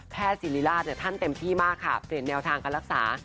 ศิริราชท่านเต็มที่มากค่ะเปลี่ยนแนวทางการรักษา